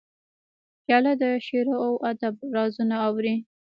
پیاله د شعرو او ادب رازونه اوري.